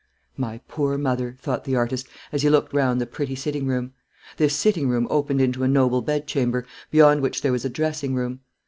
"My poor mother!" thought the artist, as he looked round the pretty sitting room. This sitting room opened into a noble bedchamber, beyond which there was a dressing room.